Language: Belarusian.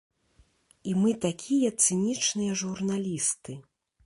І мы такія цынічныя журналісты.